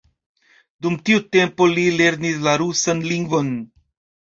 Dum tiu tempo li lernis la rusan lingvon.